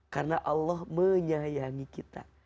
karena allah menyayangi kita